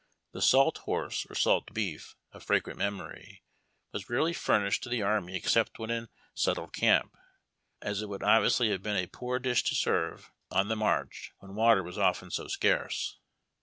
The "salt horse " or salt beef, of fragrant memory, was rarely furnished to the army except when in settled camp, as it would obviously have been a poor dish to serve on the march, when water was often so scarce.